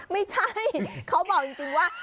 ไม่ใช่เขาบอกจริงว่า